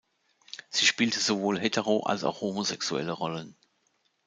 Sie spielte sowohl hetero- als auch homosexuelle Rollen.